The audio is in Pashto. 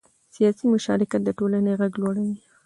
سیاسي مشارکت د ټولنې غږ لوړوي